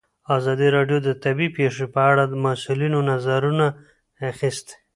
ازادي راډیو د طبیعي پېښې په اړه د مسؤلینو نظرونه اخیستي.